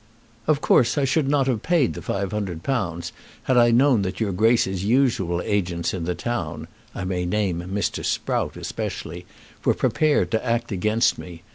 Of course I should not have paid the £500 had I known that your Grace's usual agents in the town, I may name Mr. Sprout especially, were prepared to act against me.